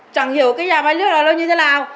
chẳng hiểu cái nhà máy nước này nó như thế nào